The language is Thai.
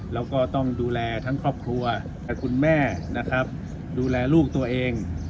แล้วก็ต้องดูแลทั้งครอบครัวทั้งคุณแม่นะครับดูแลลูกตัวเอง